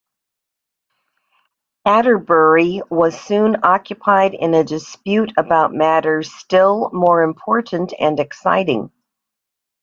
Atterbury was soon occupied in a dispute about matters still more important and exciting.